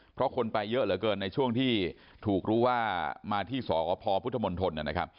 เพราะคนไปเยอะเหลือเกินในช่วงที่ถูกรู้ว่ามาที่สพพุทธมนตรนะครับ